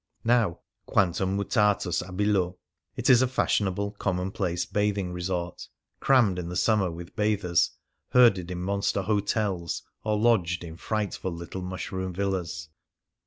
Now — quantum mutatus ah illo — it is a fashionable, commonplace bathing resort, crammed in the summer with bathers herded in monster hotels, or lodged in frightful little mushroom villas.